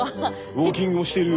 ウオーキングもしてる。